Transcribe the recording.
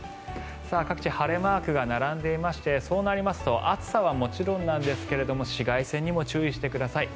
各地晴れマークが並んでいましてそうなりますと暑さはもちろんなんですけれども紫外線にも注意してください。